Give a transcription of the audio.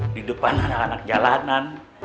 di depan anak anak jalanan